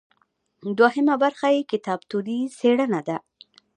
دوهمه برخه یې کتابتوني څیړنه ده.